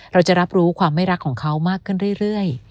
เราจะรับรู้ความไม่รักของเขามากขึ้นเรื่อย